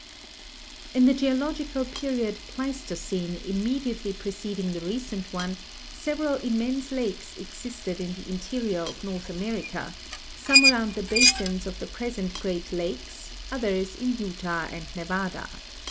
In the geological period (Pleistocene) immediately pre ceding the recent one, several immense lakes existed in the interior of North America, some around the basins of the present Great Lakes, others in Utah and Nevada.